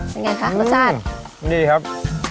เป็นอย่างไรคะคุณสุชาติอืมนี่ครับ